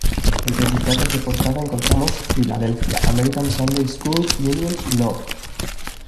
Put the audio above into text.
Entre sus datos de portada encontramos: Filadelfia: American Sunday-School Union, No.